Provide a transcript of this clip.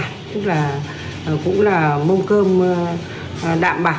tức là cũng là mông cơm đạm bạc